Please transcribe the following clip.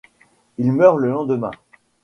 Il meurt le lendemain.